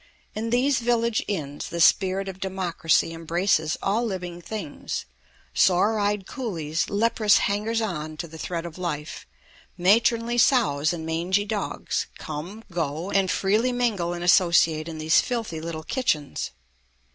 In these village inns the spirit of democracy embraces all living things; sore eyed coolies, leprous hangers on to the thread of life, matronly sows and mangy dogs, come, go, and freely mingle and associate in these filthy little kitchens.